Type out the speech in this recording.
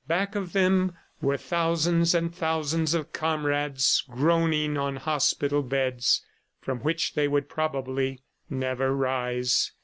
Back of them were thousands and thousands of comrades groaning on hospital beds from which they would probably never rise.